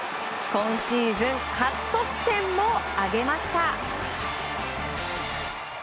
今シーズン初得点も挙げました！